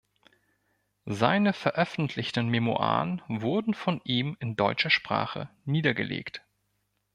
Seine veröffentlichten Memoiren wurden von ihm in deutscher Sprache niedergelegt.